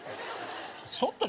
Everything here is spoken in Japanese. ちょっと。